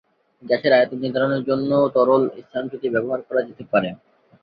গ্যাসের আয়তন নির্ধারণের জন্যও তরল স্থানচ্যুতি ব্যবহার করা যেতে পারে।